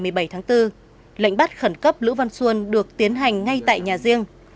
chiều ngày một mươi bảy tháng bốn lệnh bắt khẩn cấp lữ văn xuân được tiến hành ngay tại nhà riêng